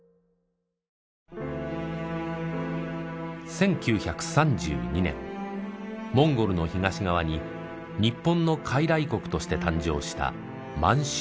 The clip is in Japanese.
１９３２年モンゴルの東側に日本の傀儡国として誕生した満州国。